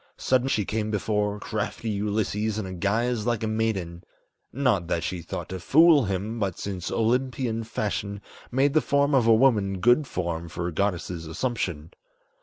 Sudden she came before crafty Ulysses in guise like a maiden; Not that she thought to fool him, but since Olympian fashion Made the form of a woman good form for a goddess' assumption.